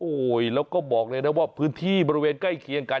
โอ้โหแล้วก็บอกเลยนะว่าพื้นที่บริเวณใกล้เคียงกัน